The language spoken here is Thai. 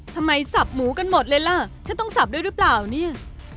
สับหมูกันหมดเลยล่ะฉันต้องสับด้วยหรือเปล่าเนี่ย